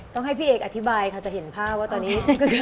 ต้องให้พี่เอกอธิบายค่ะจะเห็นภาพว่าตอนนี้